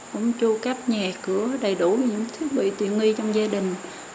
cũng chu cắp nhà cửa đầy đủ những thiết bị tiện nghi trong gia đình